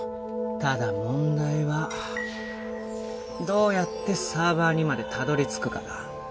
ただ問題はどうやってサーバーにまでたどり着くかだ